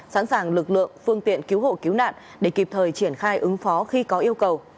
sẵn sàng lực lượng phương tiện cứu hộ cứu nạn để kịp thời triển khai ứng phó khi có yêu cầu